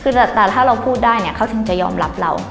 คือแต่ถ้าเราพูดได้เนี่ยเขาถึงจะยอมรับเรา